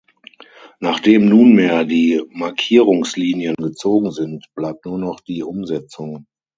Nachdem nunmehr die Markierungslinien gezogen sind, bleibt nur noch die Umsetzung.